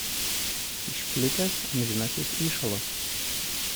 Išplitęs amžinasis įšalas.